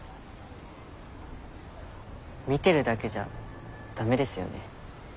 見てるだけじゃ駄目ですよね。